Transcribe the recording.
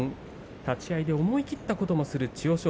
立ち合いで思い切ったこともする千代翔